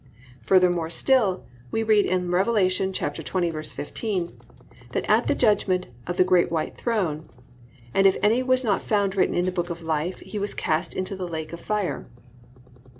Furthermore still, we read in Rev. 20:15 that at the judgment of the great white throne, +"and if any was not found written in the Book of Life, he was cast into the lake of fire."